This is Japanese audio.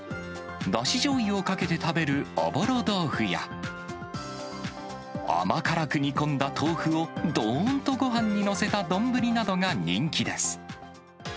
だししょうゆをかけて食べるおぼろ豆腐や、甘辛く煮込んだ豆腐をどーんとごはんに載せた丼などが人気です。